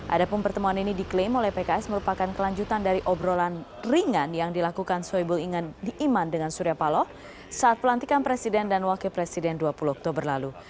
adapun pertemuan ini diklaim oleh pks merupakan kelanjutan dari obrolan ringan yang dilakukan soebul iman dengan surya paloh saat pelantikan presiden dan wakil presiden dua puluh oktober lalu